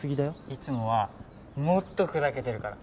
いつもはもっと砕けてるから。